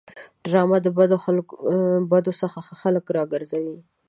ډرامه د بدو څخه خلک راګرځوي